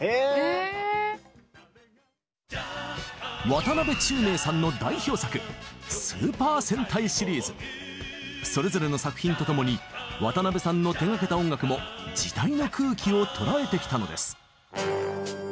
渡辺宙明さんの代表作それぞれの作品と共に渡辺さんの手がけた音楽も時代の空気を捉えてきたのです。